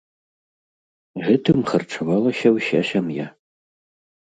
Гэтым харчавалася ўся сям'я.